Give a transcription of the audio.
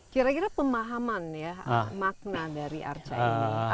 kira kira pemahaman ya makna dari arca ini